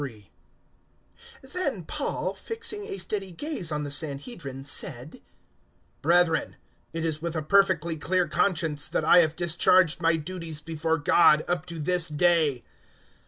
023:001 Then Paul, fixing a steady gaze on the Sanhedrin, said, "Brethren, it is with a perfectly clear conscience that I have discharged my duties before God up to this day."